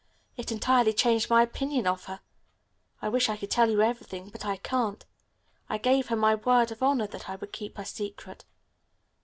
It entirely changed my opinion of her. I wish I could tell you everything, but I can't. I gave her my word of honor that I would keep her secret.